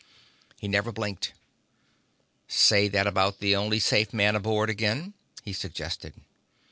He never blinked. "Say that about the only safe man aboard again," he suggested.